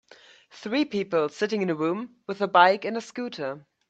Three people sitting in a room with a bike and a scooter.